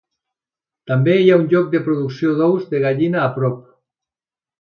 També hi ha un lloc de producció de ous de gallina a prop.